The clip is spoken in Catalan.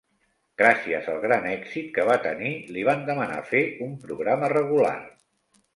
Gràcies al gran èxit que va tenir li van demanar fer un programa regular.